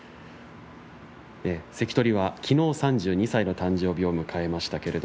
関取はきのう３２歳の誕生日でした。